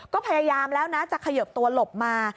ก็พยายามแล้วนะจะเขยิบตัวหลบมา